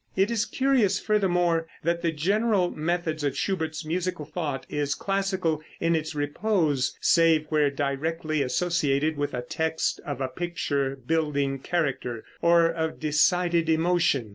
It is curious, furthermore, that the general method of Schubert's musical thought is classical in its repose, save where directly associated with a text of a picture building character, or of decided emotion.